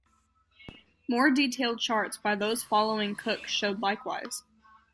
More detailed charts by those following Cook showed likewise.